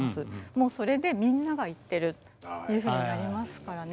もうそれで「みんなが言ってる」っていうふうになりますからね。